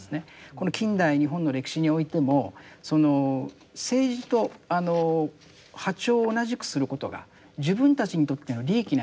この近代日本の歴史においてもその政治と波長を同じくすることが自分たちにとっての利益なんじゃないか。